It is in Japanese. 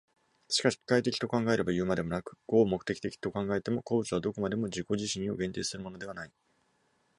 しかし機械的と考えればいうまでもなく、合目的的と考えても、個物はどこまでも自己自身を限定するものではない。